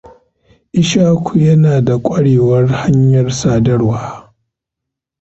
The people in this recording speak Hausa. Ishaku yana da ƙwarewar hanyar sadarwa.